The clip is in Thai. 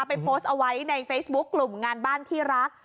โพสต์เอาไว้ในเฟซบุ๊คกลุ่มงานบ้านที่รัก